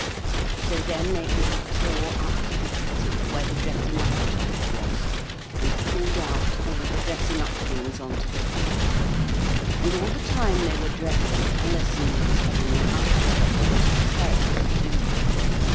So then they all tore up to the attic where the dressing up trunk was, and pulled out all the dressing up things on to the floor. And all the time they were dressing, Alison was telling the others what they were to say and do.